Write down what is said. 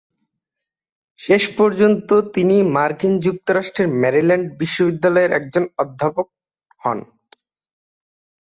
শেষ পর্যন্ত তিনি মার্কিন যুক্তরাষ্ট্রের ম্যারিল্যান্ড বিশ্ববিদ্যালয়ের একজন অধ্যাপক হন।